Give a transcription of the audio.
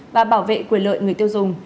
và bảo vệ quyền lợi người tiêu dùng